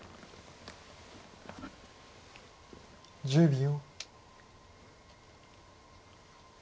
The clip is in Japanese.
１０秒。